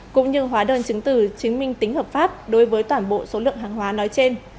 cũng như hóa đơn chứng từ chứng minh tính hợp pháp đối với toàn bộ số lượng hàng hóa nói trên